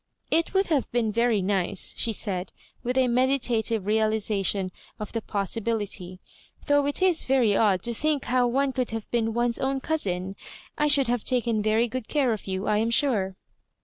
"It would have been very nice," she said, with a meditative realisation of the possi bility —" though it is very odd to think how one could have been one's own cousin — ^I should have taken very good care of you, I am sure."